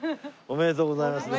おめでとうございます！